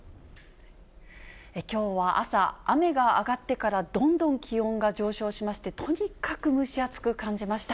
きょうは朝、雨が上がってからどんどん気温が上昇しまして、とにかく蒸し暑く感じました。